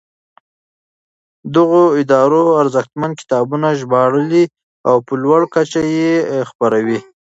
دغو ادارو ارزښتمن کتابونه ژباړي او په لوړه کچه یې خپروي.